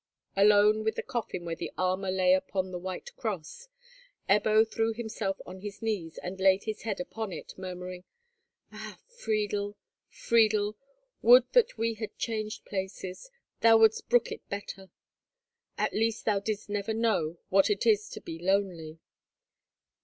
Alone with the coffin where the armour lay upon the white cross, Ebbo threw himself on his knees, and laid his head upon it, murmuring, "Ah, Friedel! Friedel! Would that we had changed places! Thou wouldst brook it better. At least thou didst never know what it is to be lonely."